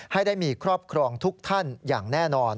ให้ได้มีครอบครองทุกท่านอย่างแน่นอน